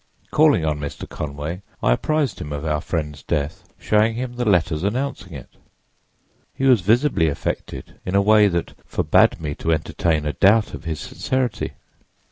Calling on Mr. Conway, I apprised him of our friend's death, showing him the letters announcing it. He was visibly affected in a way that forbade me to entertain a doubt of his sincerity.